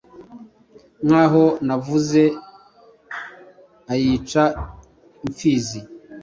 Nkaho navuze ayica impfizi.